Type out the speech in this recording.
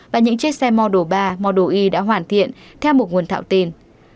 và những chiếc xe model ba model y đã hoàn thiện theo một nguồn thạo tin